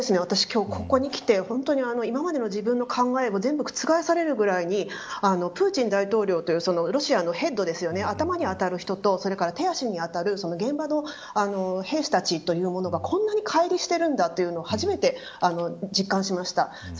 私今日、ここに来て今までの自分の考えも全部、覆されるくらいにプーチン大統領というロシアの頭にあたる人とそれから手足にあたる現場の兵士たちというものがこんなに乖離しているんだというものを初めて実感しました。